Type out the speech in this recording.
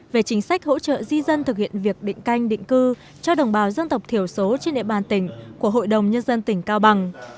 về chính sách hỗ trợ di dân thực hiện việc định canh định cư cho đồng bào dân tộc thiểu số trên địa bàn tỉnh của hội đồng nhân dân tỉnh cao bằng